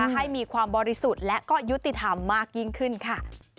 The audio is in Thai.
ให้มีความบริสุทธิ์และก็ยุติธรรมมากยิ่งขึ้นค่ะ